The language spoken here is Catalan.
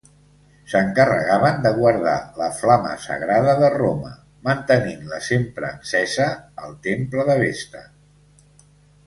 S'encarregaven de guardar la flama sagrada de Roma, mantenint-la sempre encesa al Temple de Vesta.